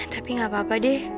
tapi gak apa apa deh